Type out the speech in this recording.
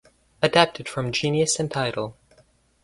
Adapted from Genius and Tidal.